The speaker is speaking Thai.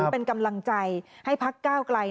เป็นกำลังใจให้พักก้าวไกล